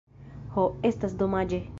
Ho! Estas domaĝe!